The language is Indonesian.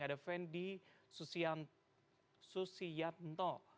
ada fendi susianto